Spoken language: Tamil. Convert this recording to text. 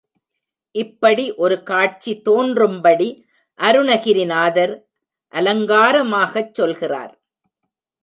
இப்படி ஒரு காட்சி தோன்றும்படி அருணகிரி நாதர் அலங்காரமாகச் சொல்கிறார்.